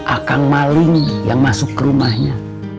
akang maling yang masuk ke rumahnya